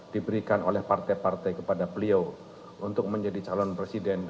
diberikan oleh partai partai kepada beliau untuk menjadi calon presiden